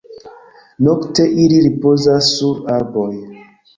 Nokte ili ripozas sur arboj.